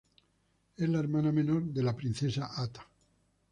Es la hermana menor de la princesa atta.